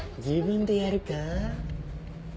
自分でやるか？